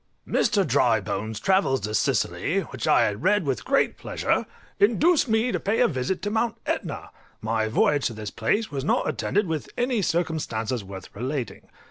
_ Mr. Drybones' "Travels to Sicily," which I had read with great pleasure, induced me to pay a visit to Mount Etna; my voyage to this place was not attended with any circumstances worth relating.